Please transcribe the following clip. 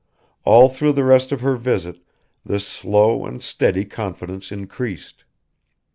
All through the rest of her visit this slow and steady confidence increased.